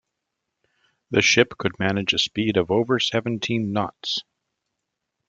The ship could manage a speed of over seventeen knots.